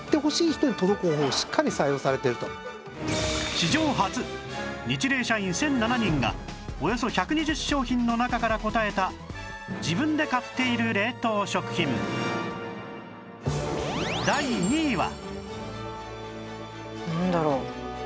史上初ニチレイ社員１００７人がおよそ１２０商品の中から答えた自分で買っている冷凍食品なんだろう？